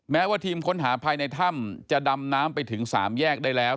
แม้ว่าทีมค้นหาภายในถ้ำจะดำน้ำไปถึง๓แยกได้แล้ว